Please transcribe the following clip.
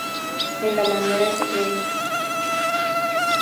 En la manera siguiente:.